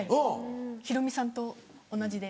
ヒロミさんと同じで。